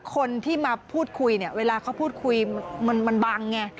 คนที่มาพูดคุยเนี่ยเวลาเขาพูดคุยมันบังไง